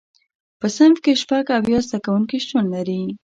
په صنف کې شپږ اویا زده کوونکي شتون لري.